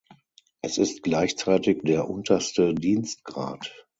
Es ist gleichzeitig der unterste Dienstgrad.